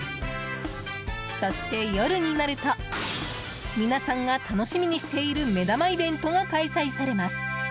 そして、夜になると皆さんが楽しみにしている目玉イベントが開催されます。